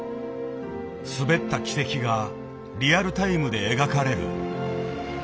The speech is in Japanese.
滑った軌跡がリアルタイムで描かれる。